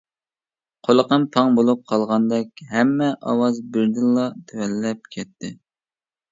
قۇلىقىم پاڭ بولۇپ قالغاندەك ھەممە ئاۋاز بىردىنلا تۆۋەنلەپ كەتتى.